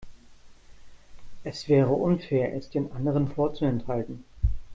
Es wäre unfair, es den anderen vorzuenthalten.